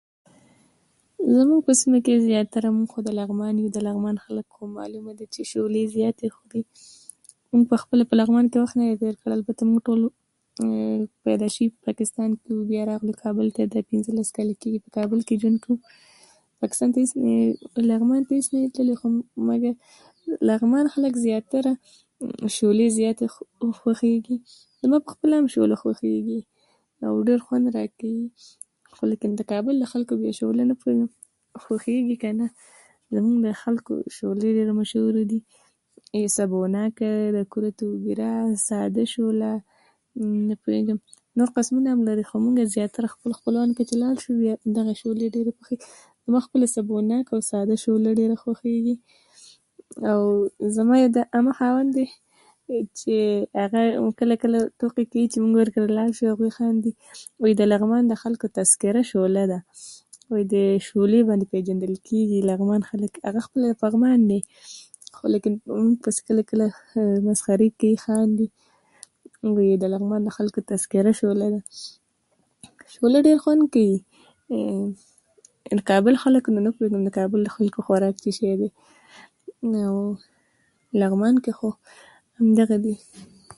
زموږ په سیمه کې زیاتره موږ خو د لغمان یو د لغمان خلک خو معلومه ده چې شولې زیاتې خوري موږ په خپله په لغمان کې وخت نده تیر کړی موږ ټول پیدا شوي په پاکستان کې وو بیا راغلل کابل ته دا پنځلس کاله کېږي په کابل کې ژوند کوو لغمان ته هیڅ نه یو تللي مګر مممم د لغمان خلک زیاتره شولې زیاتې خوښیږي زموږ په خپله هم شوله خوښیږي او ډیر خوند راکوي خو لکن نپوهېږم د کابل د خلکو شوله خوښیږي که نه زموږ د خلکو شولې ډیرې مشهوره دي سبوناکه د کروتو، ساده شوله نپوهېږم نور قسمونه هم لري خو مونږه زیاتره خپل خپلوانو کره چې لاړ شو دغه شولې زیاتې پخوي زما خپله سبوناکه او ساده شوله ډیره خوښیږي او زما د عمه خاوند دی چې کله کله ټوکې کوي چې مونږ ورکره لاړ شو خاندي وایې زموږ د لغمان د خلکو تذکیره شوله ده وایې د شولې باندې پيژندل کیږي لغمان خلک هغه خپله د پغمان دي خو لیکن موږ پسې کله کله مسخرې کوي خاندي وایې د لغمان د خلکو تذکیره شوله ده شوله دیر خوند کوي کابل خلک نو نه پوهېږم د کابل د خلکو خوراک څه شی دی او لغمان کې خو دغه دي